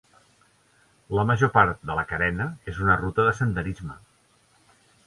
La major part de la carena és una ruta de senderisme.